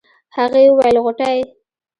هغې وويل غوټۍ.